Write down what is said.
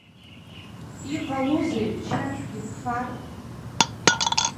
Иҟалозеи бчашәгьы бфар?